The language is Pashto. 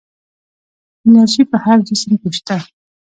انرژي په هر جسم کې شته.